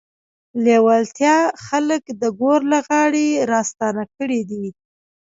لېوالتیا خلک د ګور له غاړې راستانه کړي دي.